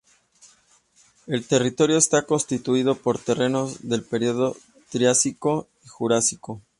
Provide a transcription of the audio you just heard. El territorio está constituido por terrenos del período triásico y jurásico.